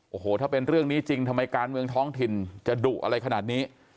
โอ้โหถ้าเป็นเรื่องนี้จริงทำไมการเมืองท้องถิ่นจะดุอะไรขนาดนี้